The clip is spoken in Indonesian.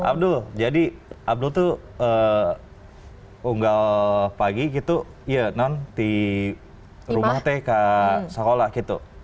abdul jadi abdul tuh unggal pagi gitu iya nanti rumah teh ke sekolah gitu